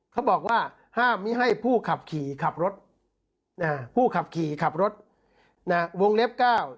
เขาบอกว่าห้ามไม่ให้ผู้ขับขี่ขับรถนะฮะผู้ขับขี่ขับรถนะฮะวงเล็บเก้า